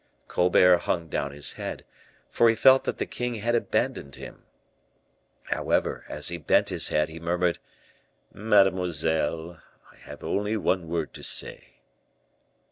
Colbert hung down his head, for he felt that the king had abandoned him. However, as he bent his head, he murmured, "Mademoiselle, I have only one word to say."